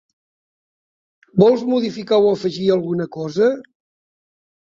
Vols modificar o afegir alguna cosa?